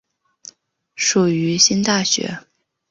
属于新大学。